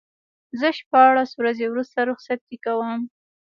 زه شپاړس ورځې وروسته رخصتي کوم.